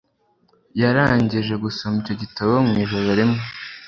yarangije gusoma icyo gitabo mu ijoro rimwe.